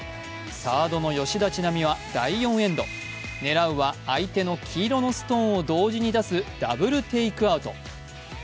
サードの吉田知那美は第４エンド狙うは相手の黄色のストーンを同時に出すダブルテイクアウト。